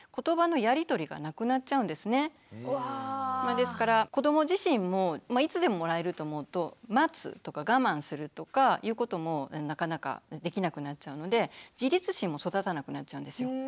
ですから子ども自身もいつでももらえると思うと待つとか我慢するとかいうこともなかなかできなくなっちゃうので自律心も育たなくなっちゃうんですよ。